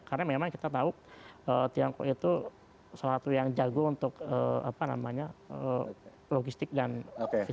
karena memang kita tahu tiongkok itu salah satu yang jago untuk logistik dan efisien